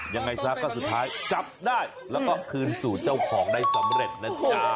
ยังไงซะก็สุดท้ายจับได้แล้วก็คืนสู่เจ้าของได้สำเร็จนะจ๊ะ